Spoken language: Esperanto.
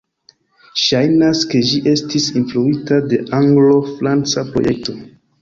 Ŝajnas ke ĝi estis influita de Anglo-franca projekto.